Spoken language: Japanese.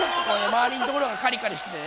まわりのところがカリカリしててね